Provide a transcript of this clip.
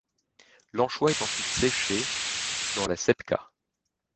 L'anchois est ensuite séché dans la sebkha.